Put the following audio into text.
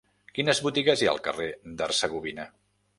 Quines botigues hi ha al carrer d'Hercegovina?